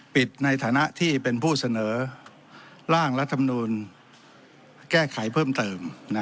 ในฐานะที่เป็นผู้เสนอร่างรัฐมนูลแก้ไขเพิ่มเติม